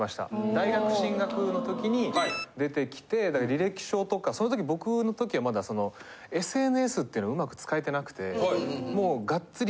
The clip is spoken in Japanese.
大学進学の時に出てきてだから履歴書とかその時僕の時はまだそのＳＮＳっていうのを上手く使えてなくてもうガッツリ。